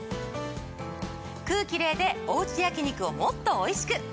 クーキレイでおうち焼き肉をもっとおいしく！